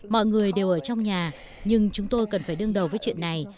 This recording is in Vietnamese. mọi người đều ở trong nhà nhưng chúng tôi cần phải đương đầu với chuyện này